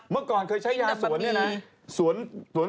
เมื่อก่อนเคยใช้ยาสวน